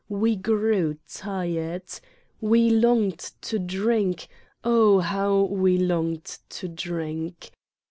We grew tired. We longed to drink, oh, how we longed to drink!